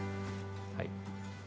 はい。